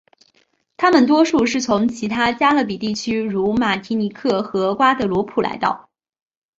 他们多数是从其他加勒比地区如马提尼克和瓜德罗普来到。